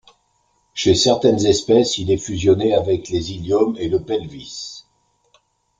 Chez certaines espèces il est fusionné avec les iliums et le pelvis.